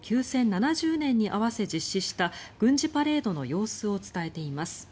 ７０年に合わせ実施した軍事パレードの様子を伝えています。